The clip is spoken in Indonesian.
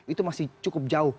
itu masih cukup jauh